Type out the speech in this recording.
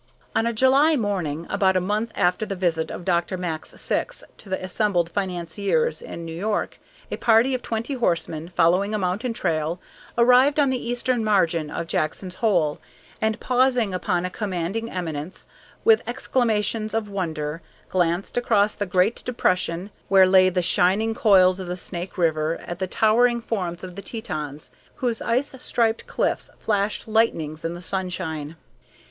On a July morning, about a month after the visit of Dr. Max Syx to the assembled financiers in New York, a party of twenty horsemen, following a mountain trail, arrived on the eastern margin of Jackson's Hole, and pausing upon a commanding eminence, with exclamations of wonder, glanced across the great depression, where lay the shining coils of the Snake River, at the towering forms of the Tetons, whose ice striped cliffs flashed lightnings in the sunshine.